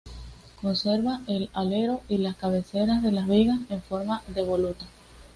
Conserva el alero y las cabeceras de las vigas en forma de voluta.